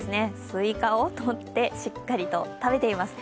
スイカを持って、しっかりと食べています。